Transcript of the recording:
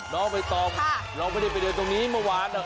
น้องไปตอบเราไม่ได้ไปเดียวตรงนี้เมื่อวาน